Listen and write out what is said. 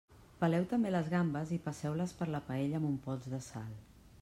Peleu també les gambes i passeu-les per la paella amb un pols de sal.